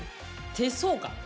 手相かな。